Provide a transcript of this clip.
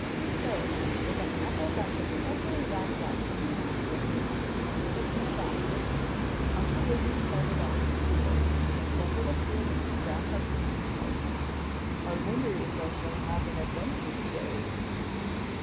So with an apple dumpling carefully wrapped up in a napkin and put in a basket, Uncle Wiggily started off through the woods and over the fields to Grandpa Goosey's house. "I wonder if I shall have an adventure today?"